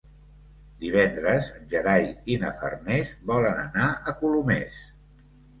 Divendres en Gerai i na Farners volen anar a Colomers.